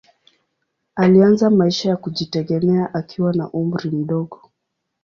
Alianza maisha ya kujitegemea akiwa na umri mdogo.